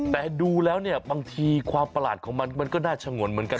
แต่ดูแล้วเนี่ยบางทีความประหลาดของมันมันก็น่าชะงนเหมือนกัน